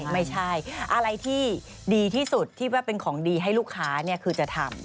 ไม่ใช่อะไรที่ดีที่สุดที่ว่าเป็นของดีให้ลูกค้าคือจะทำ